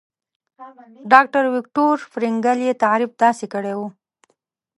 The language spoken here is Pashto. ډاکټر ويکټور فرېنکل يې تعريف داسې کړی وو.